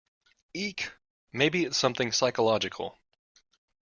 Eek! Maybe it’s something psychological?